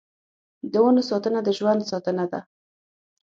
د ونو ساتنه د ژوند ساتنه ده.